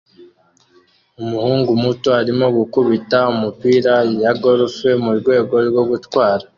Umuhungu muto arimo gukubita imipira ya golf murwego rwo gutwara